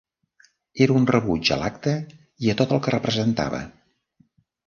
Era un rebuig a l'acte i a tot el que representava.